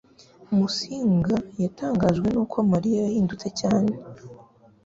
Musinga yatangajwe nuko Mariya yahindutse cyane.